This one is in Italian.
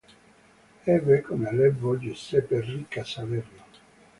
Ebbe come allievo Giuseppe Ricca Salerno.